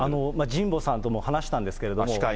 じんぼさんとも話したんですけれども。